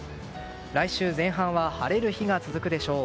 来週前半は晴れる日が続くでしょう。